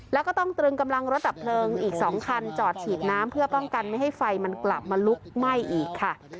แล้วก็ต้องตรึงกำลังรถดับเพลิงอีก๒คันจอดฉีดน้ำเพื่อป้องกันไม่ให้ไฟมันกลับมาลุกไหม้อีกค่ะ